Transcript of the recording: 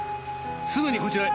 すぐにこちらに。